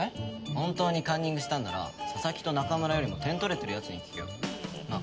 本当にカンニングしたんなら佐々木と中村よりも点取れてる奴に聞けよ。なあ？